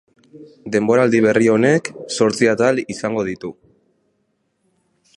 Denboraldi berri honek zortzi atal izango ditu.